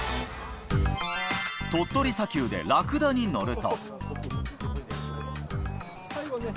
鳥取砂丘でラクダに乗ると。